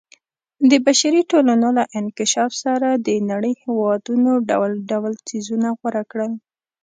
د بشري ټولنو له انکشاف سره د نړۍ هېوادونو ډول ډول څیزونه غوره کړل.